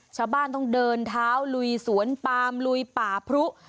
ชาวบ้านต้องเดินเท้าลุยสวนปามลุยป่าพรุ